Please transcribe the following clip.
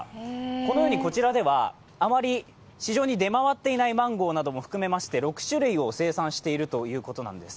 このように、こちらではあまり市場に出回っていないマンゴーも含めまして６種類を生産しているということなんです。